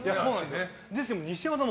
ですけど西山さん